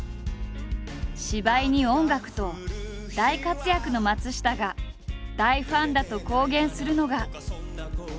芝居に音楽と大活躍の松下が大ファンだと公言するのが。